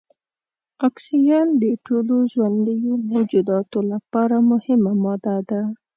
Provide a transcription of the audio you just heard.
اکسیجن د ټولو ژوندیو موجوداتو لپاره مهمه ماده ده.